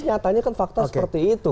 nyatanya kan fakta seperti itu